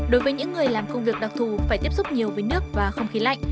đối với những người làm công việc đặc thù phải tiếp xúc nhiều với nước và không khí lạnh